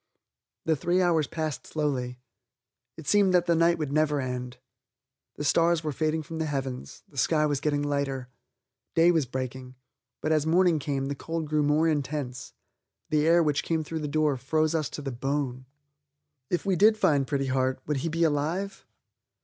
The three hours passed slowly. It seemed that the night would never end. The stars were fading from the heavens, the sky was getting lighter. Day was breaking. But as morning came the cold grew more intense; the air which came through the door froze us to the bone. If we did find Pretty Heart, would he be alive?